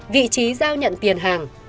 vị trí giao nhận tiền hàng